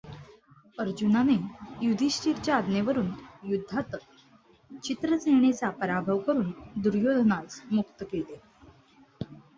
अर्जुनाने युधिष्ठिराच्या आज्ञेवरून युद्धात चित्रसेनाचा पराभव करून दुर्योधनास मुक्त केले.